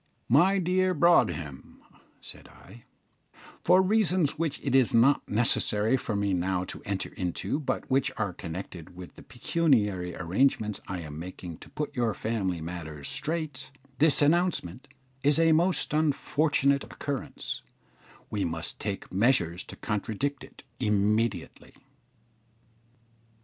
"My dear Broadhem," said I, "for reasons which it is not necessary for me now to enter into, but which are connected with the pecuniary arrangements I am making to put your family matters straight, this announcement is a most unfortunate occurrence we must take measures to contradict it immediately."